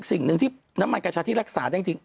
สิ่งหนึ่งที่น้ำมันกัญชาที่รักษาได้จริง